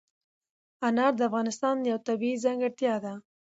انار د افغانستان یوه طبیعي ځانګړتیا ده.